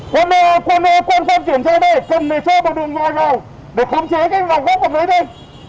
con con con con chuyển chạy đây cần để cho vào đường ngoài vào để khống chế cái góc ở đấy đây